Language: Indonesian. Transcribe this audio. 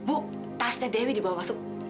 bu tasnya dewi dibawa masuk